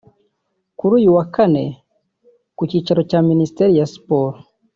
kuri uyu wa kane ku cyicaro cya Minisiteri ya Siporo